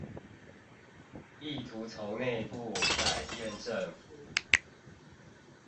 意圖從內部改變政府